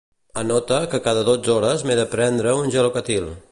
Anota que cada dotze hores m'he de prendre un Gelocatil.